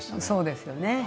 そうですよね。